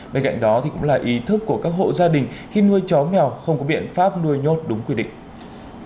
bên cạnh đó cũng là ý thức của các hộ gia đình khi nuôi chó mèo không có biện pháp nuôi nhốt đúng quy định